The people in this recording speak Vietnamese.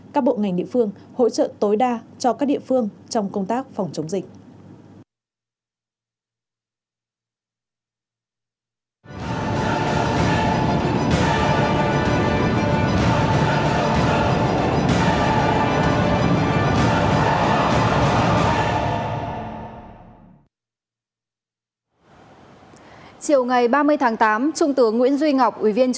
các bộ ngành địa phương hỗ trợ tối đa cho các địa phương trong công tác phòng chống dịch